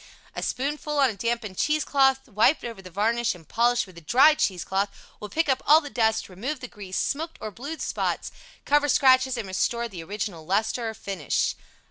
A spoonful on a dampened cheese cloth wiped over the varnish and polished with a dry cheese cloth will pick up all the dust, remove the grease, smoked or blued spots, cover scratches and restore the original lustre or finish.